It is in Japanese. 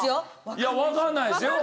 いやわからないですよ。